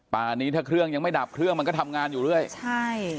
ป่านี้ถ้าเครื่องยังไม่ดับเครื่องมันก็ทำงานอยู่เรื่อยใช่